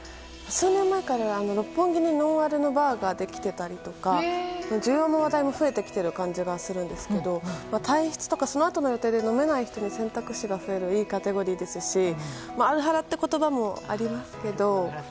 数年前から六本木にノンアルのバーができたりとか需要も話題も増えてきている感じがするんですけど体質とかそのあとの予定で飲めない人の選択肢が増えるのはいいカテゴリーですしアルハラっていう言葉もありますけど。